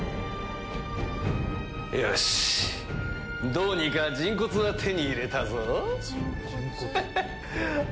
よしどうにか人骨は手に入れたぞ